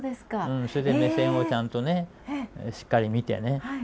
それで目線をちゃんとねしっかり見てねうん。